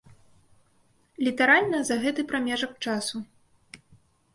Літаральна за гэты прамежак часу.